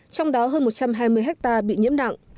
trong đó hơn một trăm hai mươi ha bị nhiễm nặng